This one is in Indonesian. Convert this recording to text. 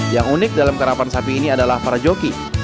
yang unik dalam karapan sapi ini adalah para joki